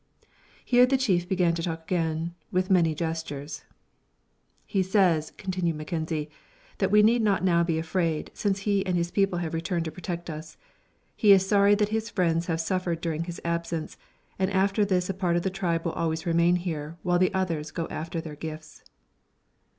Here the chief began to talk again, with many gestures. "He says," continued Mackenzie, "that we need not now be afraid, since he and his people have returned to protect us. He is sorry that his friends have suffered during his absence, and after this a part of the tribe will always remain here, while the others go after their gifts."